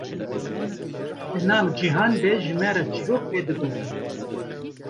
di nav cihan de ji me re çîrok vedigotin